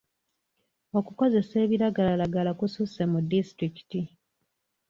Okukozesa ebiragalalagala kussuse mu disitulikiti.